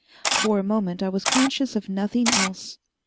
For a moment I was conscious of nothing else.